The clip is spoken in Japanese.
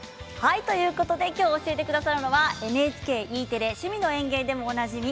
今日教えてくださるのはＮＨＫＥテレ「趣味の園芸」でもおなじみ